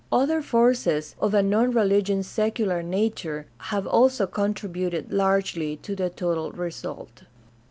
Other forces of a non religious secular nature have also contributed largely to the total result.